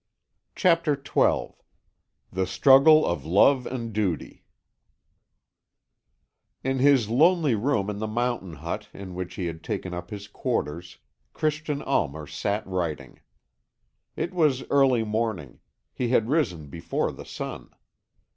CHAPTER XII THE STRUGGLE OF LOVE AND DUTY In his lonely room in the mountain hut in which he had taken up his quarters, Christian Almer sat writing. It was early morning; he had risen before the sun.